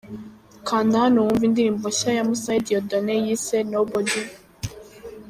Kanda hano wumve indirimbo nshya ya Musabe Dieudonne yise 'Nobody'.